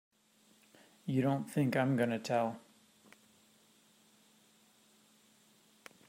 You don't think I'm gonna tell!